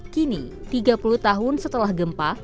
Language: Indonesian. kini tiga puluh tahun setelah gempa